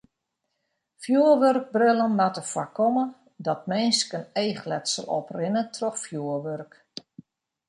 Fjoerwurkbrillen moatte foarkomme dat minsken eachletsel oprinne troch fjoerwurk.